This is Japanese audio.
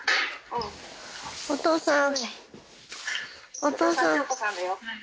お父さん。